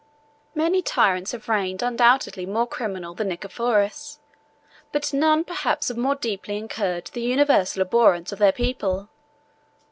Many tyrants have reigned undoubtedly more criminal than Nicephorus, but none perhaps have more deeply incurred the universal abhorrence of their people.